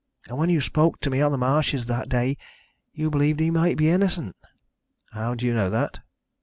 And when you spoke to me on the marshes that day you believed he might be innocent." "How do you know that?"